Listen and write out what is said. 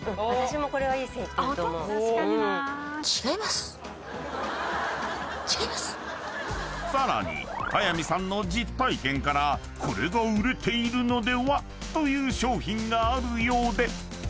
ホント⁉［さらに早見さんの実体験からこれが売れているのでは？という商品があるようで］